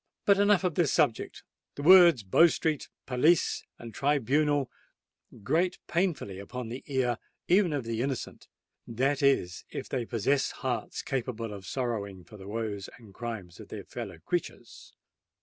But enough of this subject: the words Bow Street—Police—and Tribunal grate painfully upon the ear even of the innocent,—that is, if they possess hearts capable of sorrowing for the woes and crimes of their fellow creatures.